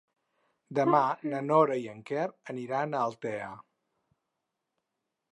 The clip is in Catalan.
Demà na Nora i en Quer aniran a Altea.